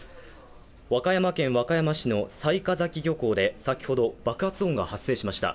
和歌山県和歌山市の雑賀崎漁港で、先ほど爆発音が発生しました。